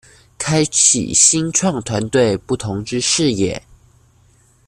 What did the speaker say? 開啟新創團隊不同之視野